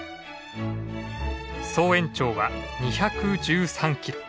総延長は２１３キロ。